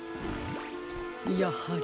やはり。